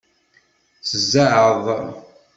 S zzeɛḍ!